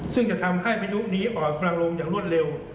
ซึ่งจะทำให้พายุนี้อ่อนกำลังลงอย่างรวดเร็ว